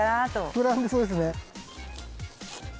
膨らんでそうですね。